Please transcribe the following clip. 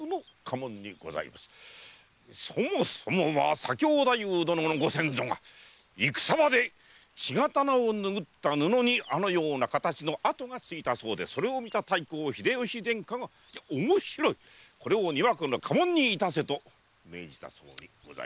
そもそもは左京太夫殿のご先祖が戦場で血刀をぬぐった布にあのような形の跡がついたそうでそれを見た太閤秀吉殿下が「おもしろい。それを丹羽家の家紋にいたせ」と命じたそうで。